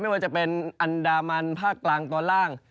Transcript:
ว่าจะเป็นอันดามันภาคกลางตอนล่าง